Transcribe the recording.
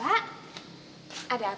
bapak ada apa pak